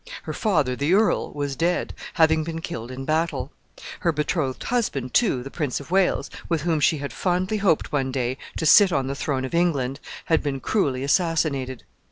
Her father, the earl, was dead, having been killed in battle. Her betrothed husband, too, the Prince of Wales, with whom she had fondly hoped one day to sit on the throne of England, had been cruelly assassinated.